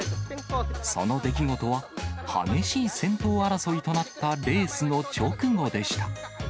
その出来事は、激しい先頭争いとなったレースの直後でした。